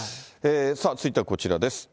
続いてはこちらです。